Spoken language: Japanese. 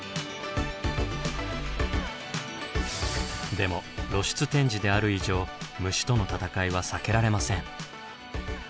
でも露出展示である以上虫との戦いは避けられません。